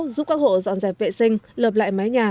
giúp các hộ dọn dẹp vệ sinh lợp lại mái nhà